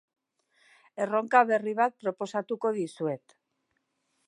Erronka berri bat proposatuko dizuet.